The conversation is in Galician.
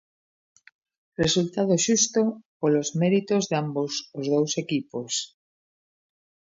Resultado xusto polos méritos de ambos os dous equipos.